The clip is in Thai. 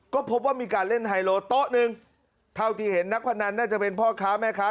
ก็พบว่ามีการเล่นไฮโลโต๊ะหนึ่งเท่าที่เห็นนักพนันน่าจะเป็นพ่อค้าแม่ค้า